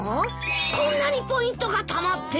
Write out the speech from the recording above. こんなにポイントがたまってる！